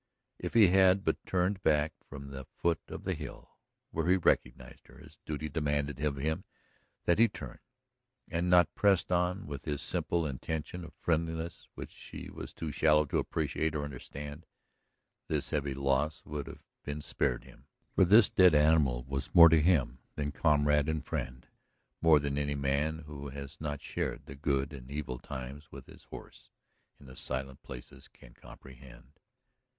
If he had but turned back from the foot of the hill where he recognized her, as duty demanded of him that he turn, and not pressed on with his simple intention of friendliness which she was too shallow to appreciate or understand, this heavy loss would have been spared him. For this dead animal was more to him than comrade and friend; more than any man who has not shared the good and evil times with his horse in the silent places can comprehend.